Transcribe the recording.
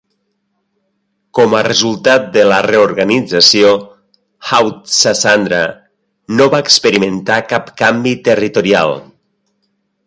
Com a resultat de la reorganització, Haut-Sassandra no va experimentar cap canvi territorial.